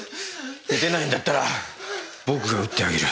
撃てないんだったら僕が撃ってあげる。